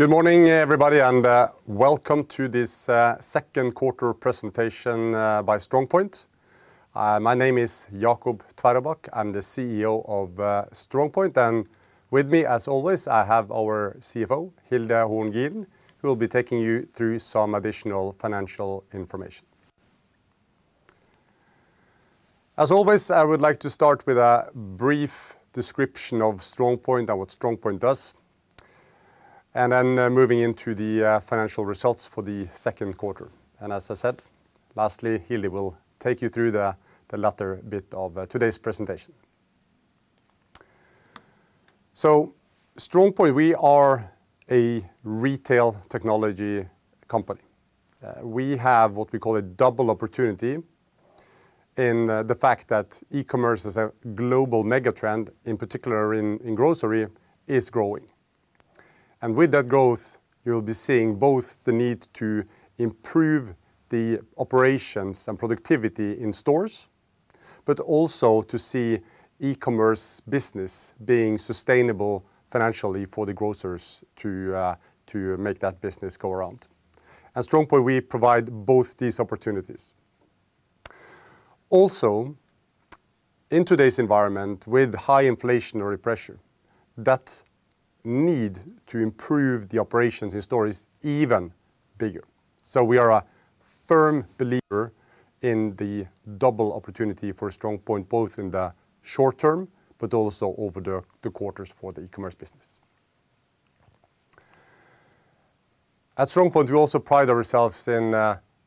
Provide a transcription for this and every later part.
Good morning, everybody, and welcome to this second quarter presentation by StrongPoint. My name is Jacob Tveraabak. I'm the CEO of StrongPoint, and with me, as always, I have our CFO, Hilde Horn Gilen, who will be taking you through some additional financial information. As always, I would like to start with a brief description of StrongPoint and what StrongPoint does, and then moving into the financial results for the second quarter. As I said, lastly, Hilde will take you through the latter bit of today's presentation. StrongPoint, we are a retail technology company. We have what we call a double opportunity in the fact that e-commerce is a global mega trend, in particular in grocery is growing. With that growth, you'll be seeing both the need to improve the operations and productivity in stores, but also to see e-commerce business being sustainable financially for the grocers to make that business go around. At StrongPoint we provide both these opportunities. Also, in today's environment with high inflationary pressure, that need to improve the operations in store is even bigger. We are a firm believer in the double opportunity for StrongPoint, both in the short term but also over the quarters for the e-commerce business. At StrongPoint, we also pride ourselves in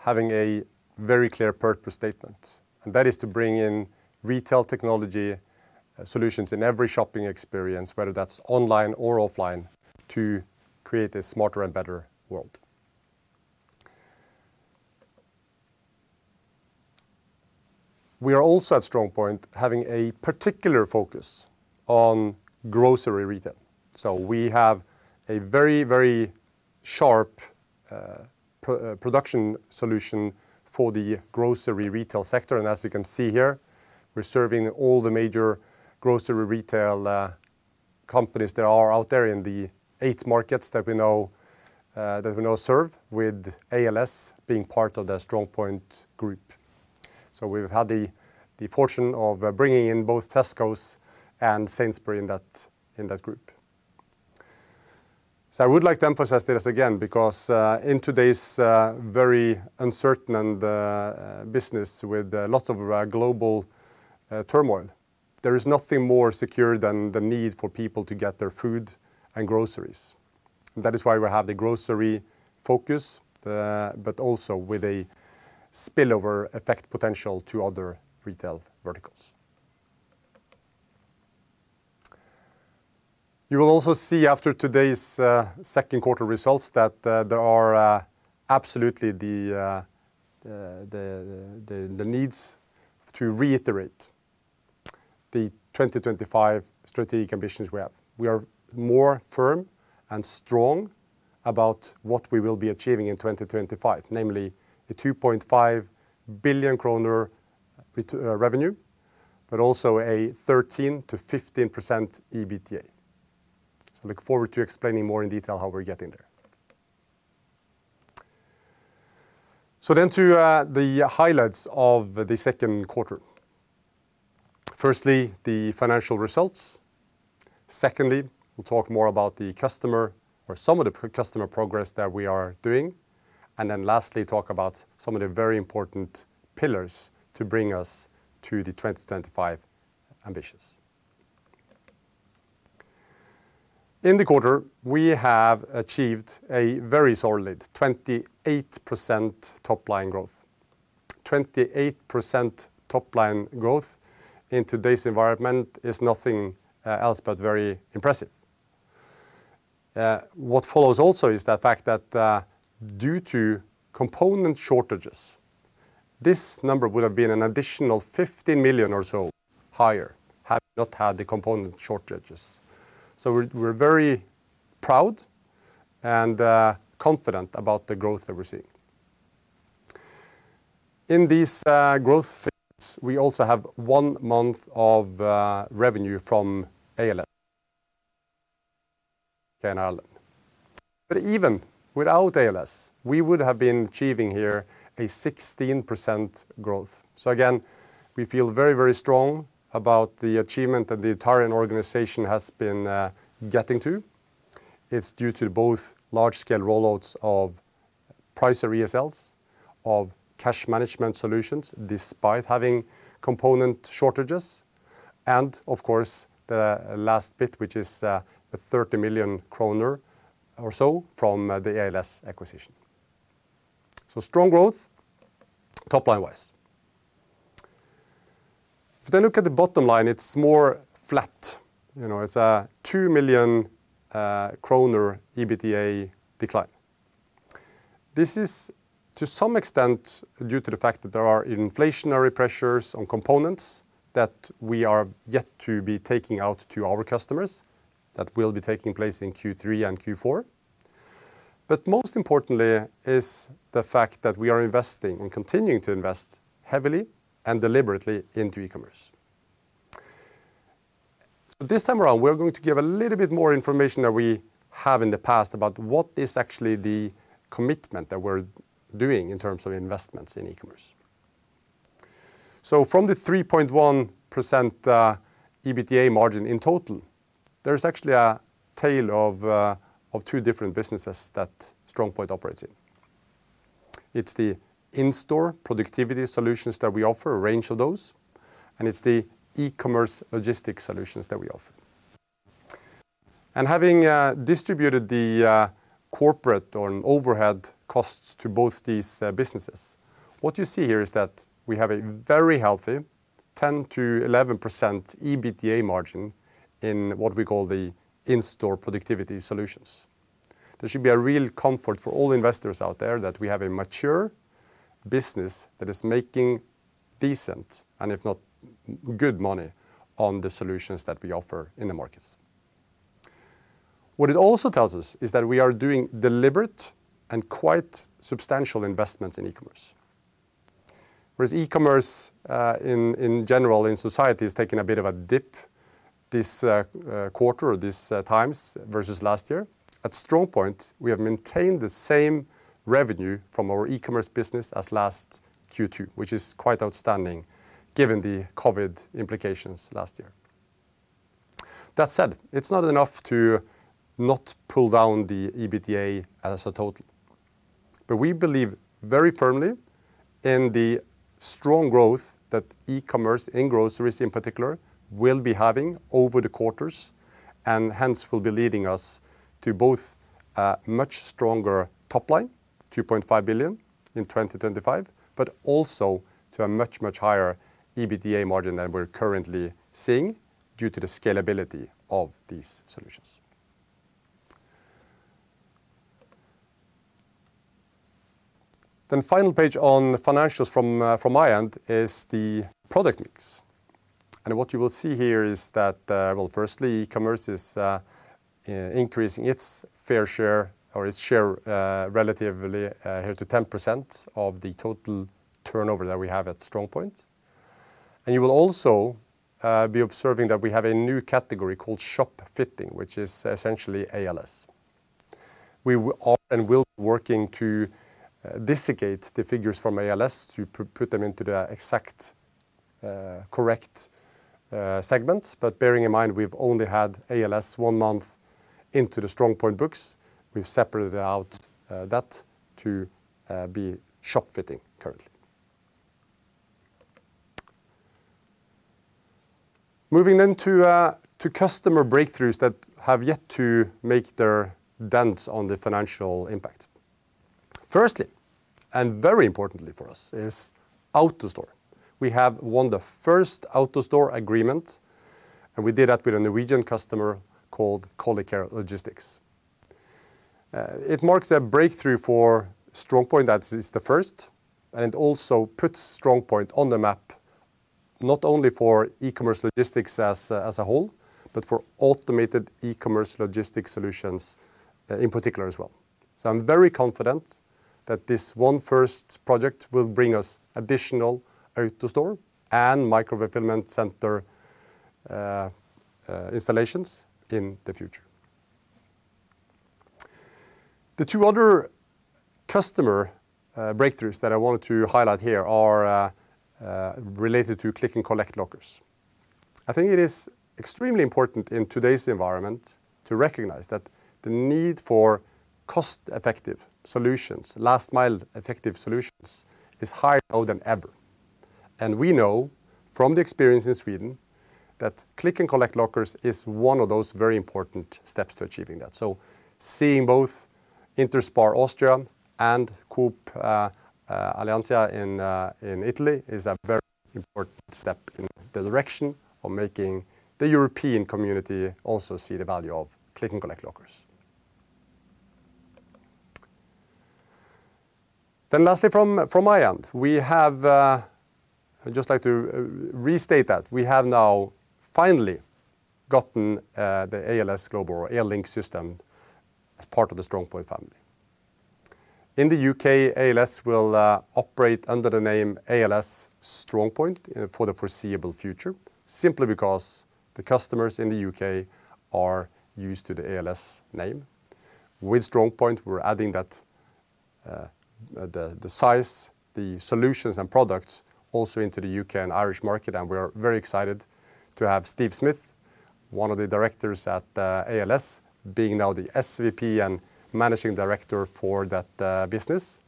having a very clear purpose statement, and that is to bring in retail technology solutions in every shopping experience, whether that's online or offline, to create a smarter and better world. We are also at StrongPoint having a particular focus on grocery retail. We have a very, very sharp productivity solution for the grocery retail sector. As you can see here, we're serving all the major grocery retail companies that are out there in the eight markets that we now serve, with ALS being part of the StrongPoint group. We've had the fortune of bringing in both Tesco and Sainsbury's in that group. I would like to emphasize this again, because in today's very uncertain business with lots of global turmoil, there is nothing more secure than the need for people to get their food and groceries. That is why we have the grocery focus, but also with a spillover effect potential to other retail verticals. You will also see after today's second quarter results that there are absolutely the need to reiterate the 2025 strategic ambitions we have. We are more firm and strong about what we will be achieving in 2025, namely the 2.5 billion kroner revenue, but also a 13%-15% EBITDA. Look forward to explaining more in detail how we're getting there. To the highlights of the second quarter. Firstly, the financial results. Secondly, we'll talk more about the customer or some of the customer progress that we are doing. Lastly, talk about some of the very important pillars to bring us to the 2025 ambitions. In the quarter, we have achieved a very solid 28% top-line growth. 28% top-line growth in today's environment is nothing else but very impressive. What follows also is the fact that, due to component shortages, this number would have been an additional 50 million or so higher had we not had the component shortages. We're very proud and confident about the growth that we're seeing. In these growth figures, we also have one month of revenue from ALS U.K., and Ireland. Even without ALS, we would have been achieving here a 16% growth. We feel very, very strong about the achievement that the entire organization has been getting to. It's due to both large-scale rollouts of Pricer ESLs, of cash management solutions, despite having component shortages, and of course, the last bit, which is the 30 million kroner or so from the ALS acquisition. Strong growth top line-wise. If you then look at the bottom line, it's more flat. You know, it's a 2 million kroner EBITDA decline. This is to some extent due to the fact that there are inflationary pressures on components that we are yet to be taking out to our customers that will be taking place in Q3 and Q4. Most importantly is the fact that we are investing and continuing to invest heavily and deliberately into e-commerce. This time around, we're going to give a little bit more information than we have in the past about what is actually the commitment that we're doing in terms of investments in e-commerce. From the 3.1% EBITDA margin in total, there's actually a tale of two different businesses that StrongPoint operates in. It's the in-store productivity solutions that we offer, a range of those, and it's the e-commerce logistics solutions that we offer. Having distributed the corporate or overhead costs to both these businesses, what you see here is that we have a very healthy 10%-11% EBITDA margin in what we call the in-store productivity solutions. There should be a real comfort for all investors out there that we have a mature business that is making decent, and if not, good money on the solutions that we offer in the markets. What it also tells us is that we are doing deliberate and quite substantial investments in e-commerce. Whereas e-commerce in general in society is taking a bit of a dip this quarter or this times versus last year. At StrongPoint, we have maintained the same revenue from our e-commerce business as last Q2, which is quite outstanding given the COVID implications last year. That said, it's not enough to not pull down the EBITDA as a total. We believe very firmly in the strong growth that e-commerce and groceries in particular will be having over the quarters, and hence will be leading us to both a much stronger top line, 2.5 billion in 2025, but also to a much, much higher EBITDA margin than we're currently seeing due to the scalability of these solutions. Final page on financials from my end is the product mix. What you will see here is that, firstly, e-commerce is increasing its fair share or its share, relatively, here to 10% of the total turnover that we have at StrongPoint. You will also be observing that we have a new category called Shop Fitting, which is essentially ALS. We are and will be working to disaggregate the figures from ALS to put them into the exact, correct, segments. Bearing in mind, we've only had ALS 1 month into the StrongPoint books. We've separated out that to be Shop Fitting currently. Moving to customer breakthroughs that have yet to make their dent on the financial impact. Firstly, and very importantly for us, is AutoStore. We have won the first AutoStore agreement, and we did that with a Norwegian customer called Oda. It marks a breakthrough for StrongPoint. That is the first and also puts StrongPoint on the map, not only for e-commerce logistics as a whole, but for automated e-commerce logistics solutions in particular as well. I'm very confident that this one first project will bring us additional AutoStore and micro-fulfillment center installations in the future. The two other customer breakthroughs that I wanted to highlight here are related to click and collect lockers. I think it is extremely important in today's environment to recognize that the need for cost-effective solutions, last mile effective solutions, is higher now than ever. We know from the experience in Sweden that click and collect lockers is one of those very important steps to achieving that. Seeing both Interspar Austria and Coop Alleanza 3.0 in Italy is a very important step in the direction of making the European community also see the value of Click & Collect lockers. Lastly from my end, I'd just like to restate that we have now finally gotten the Air Link Systems as part of the StrongPoint family. In the U.K., ALS will operate under the name ALS StrongPoint for the foreseeable future, simply because the customers in the U.K., are used to the ALS name. With StrongPoint, we're adding that the size, the solutions and products also into the U.K., and Irish market, and we're very excited to have Steve Smith, one of the directors at ALS, being now the SVP and Managing Director for that business.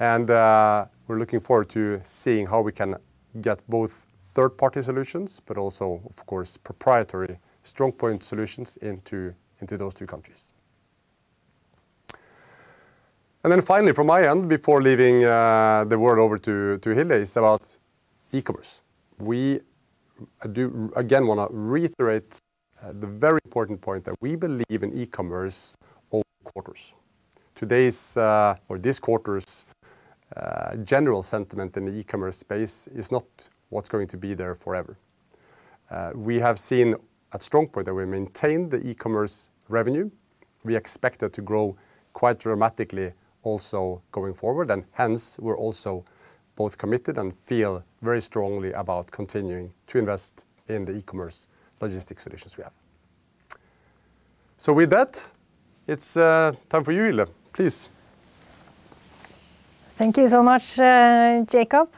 We're looking forward to seeing how we can get both third-party solutions, but also, of course, proprietary StrongPoint solutions into those two countries. Then finally, from my end, before leaving, the word over to Hilde, is about e-commerce. We do again wanna reiterate, the very important point that we believe in e-commerce over quarters. Today's, or this quarter's, general sentiment in the e-commerce space is not what's going to be there forever. We have seen at StrongPoint that we maintain the e-commerce revenue. We expect it to grow quite dramatically also going forward, and hence we're also both committed and feel very strongly about continuing to invest in the e-commerce logistics solutions we have. With that, it's time for you, Ylva. Please. Thank you so much, Jacob.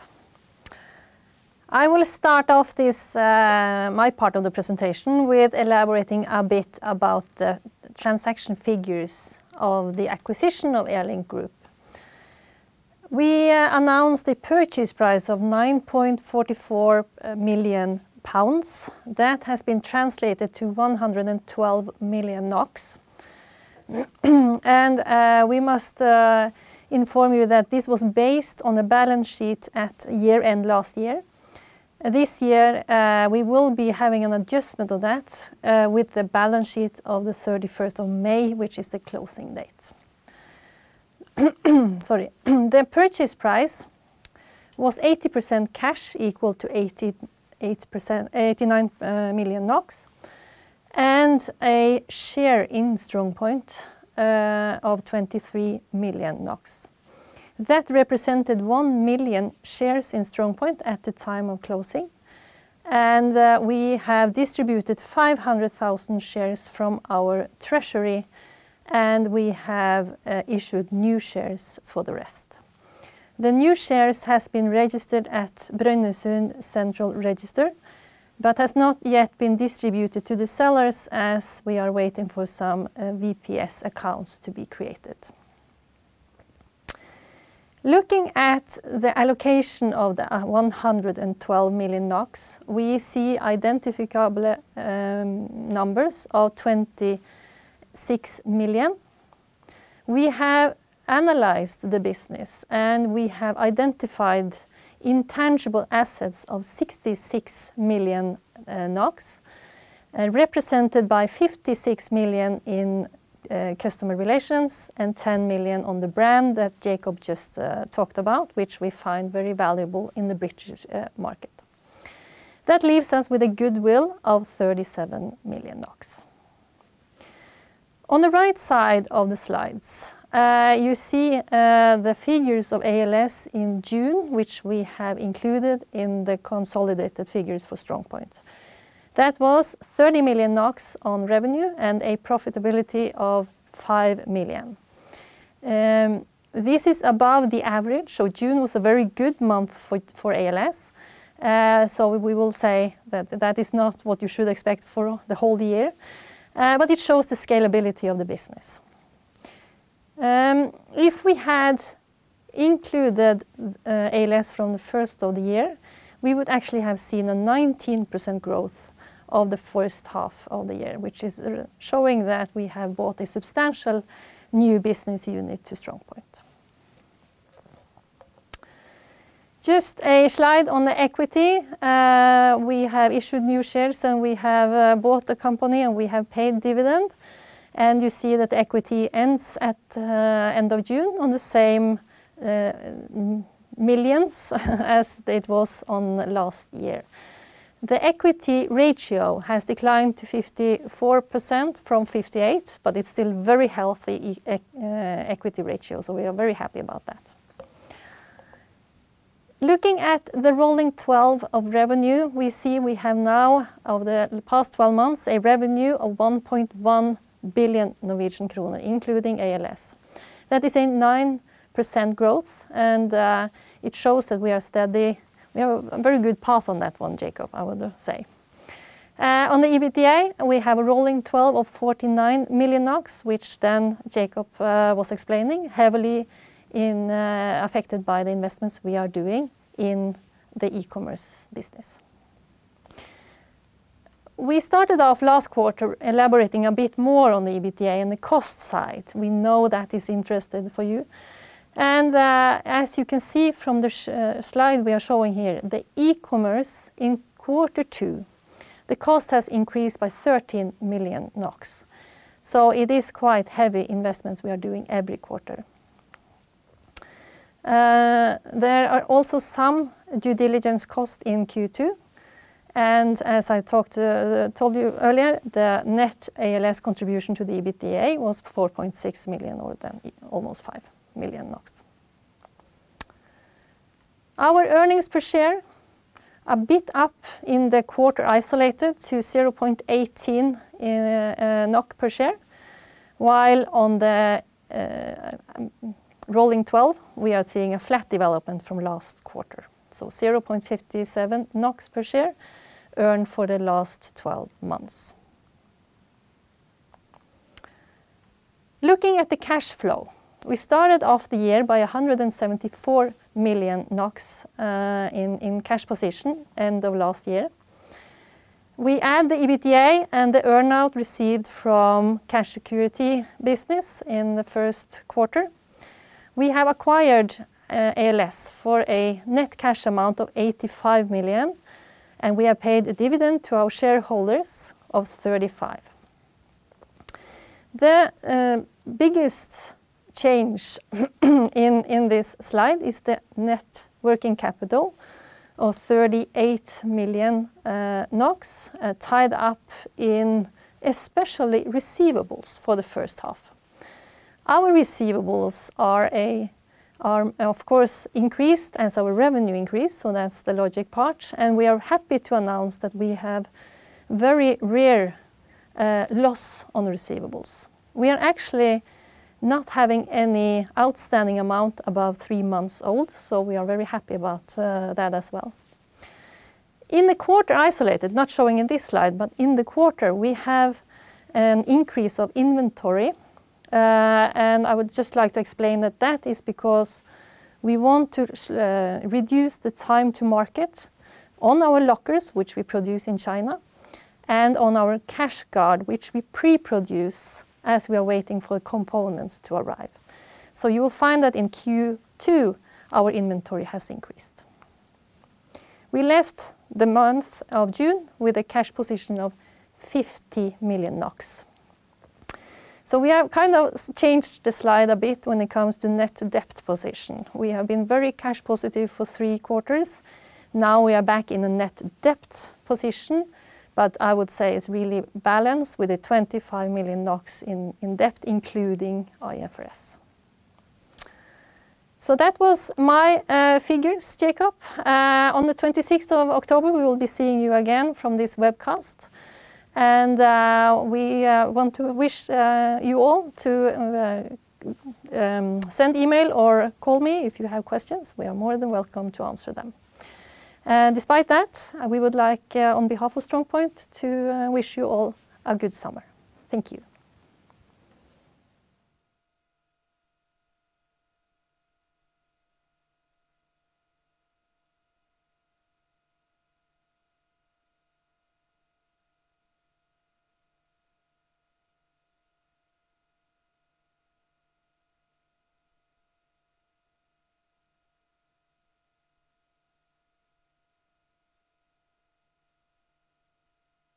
I will start off this, my part of the presentation with elaborating a bit about the transaction figures of the acquisition of Air Link Group. We announced the purchase price of 9.44 million pounds. That has been translated to 112 million NOK. We must inform you that this was based on a balance sheet at year-end last year. This year, we will be having an adjustment of that, with the balance sheet of the thirty-first of May, which is the closing date. Sorry. The purchase price was 80% cash, equal to 89 million NOK, and a share in StrongPoint of 23 million NOK. That represented 1 million shares in StrongPoint at the time of closing, and we have distributed 500,000 shares from our treasury, and we have issued new shares for the rest. The new shares has been registered at Brønnøysund Register Centre, but has not yet been distributed to the sellers as we are waiting for some VPS accounts to be created. Looking at the allocation of the 112 million NOK, we see identifiable numbers of 26 million NOK. We have analyzed the business, and we have identified intangible assets of 66 million NOK, represented by 56 million NOK in customer relations and 10 million NOK on the brand that Jacob just talked about, which we find very valuable in the British market. That leaves us with a goodwill of 37 million NOK. On the right side of the slides, you see the figures of ALS in June, which we have included in the consolidated figures for StrongPoint. That was 30 million NOK on revenue and a profitability of 5 million. This is above the average, so June was a very good month for ALS. We will say that is not what you should expect for the whole year, but it shows the scalability of the business. If we had included ALS from the first of the year, we would actually have seen a 19% growth of the first half of the year, which is showing that we have bought a substantial new business unit to StrongPoint. Just a slide on the equity. We have issued new shares, and we have bought the company, and we have paid dividend. You see that equity ends at the end of June on the same millions as it was on last year. The equity ratio has declined to 54% from 58%, but it's still very healthy equity ratio, so we are very happy about that. Looking at the rolling 12 of revenue, we see we have now, over the past 12 months, a revenue of 1.1 billion Norwegian kroner, including ALS. That is a 9% growth, and it shows that we are steady. We have a very good path on that one, Jacob, I would say. On the EBITDA, we have a rolling 12 of 49 million NOK, which then Jacob was explaining, heavily affected by the investments we are doing in the e-commerce business. We started off last quarter elaborating a bit more on the EBITDA and the cost side. We know that is interesting for you. As you can see from the slide we are showing here, the e-commerce in quarter two, the cost has increased by 13 million NOK, so it is quite heavy investments we are doing every quarter. There are also some due diligence costs in Q2, and as I told you earlier, the net ALS contribution to the EBITDA was 4.6 million or then almost 5 million NOK. Our earnings per share, a bit up in the quarter isolated to 0.18 NOK per share, while on the rolling twelve, we are seeing a flat development from last quarter, so 0.57 NOK per share earned for the last twelve months. Looking at the cash flow, we started off the year by 174 million NOK in cash position end of last year. We add the EBITDA and the earn-out received from Cash Security business in the first quarter. We have acquired ALS for a net cash amount of 85 million, and we have paid a dividend to our shareholders of 35 million. The biggest change in this slide is the net working capital of 38 million NOK tied up, especially in receivables for the first half. Our receivables are of course increased as our revenue increased, so that's the logic part, and we are happy to announce that we have very rare loss on receivables. We are actually not having any outstanding amount above three months old, so we are very happy about that as well. In the quarter isolated, not showing in this slide, but in the quarter we have an increase of inventory. I would just like to explain that that is because we want to reduce the time to market on our lockers, which we produce in China, and on our CashGuard, which we pre-produce as we are waiting for the components to arrive. You will find that in Q2, our inventory has increased. We left the month of June with a cash position of 50 million NOK. We have kind of changed the slide a bit when it comes to net debt position. We have been very cash positive for three quarters, now we are back in a net debt position, but I would say it's really balanced with 25 million NOK in debt, including IFRS. That was my figures, Jacob. On the twenty-sixth of October, we will be seeing you again from this webcast and we want you all to send email or call me if you have questions. We are more than welcome to answer them. Despite that, we would like, on behalf of StrongPoint, to wish you all a good summer. Thank you.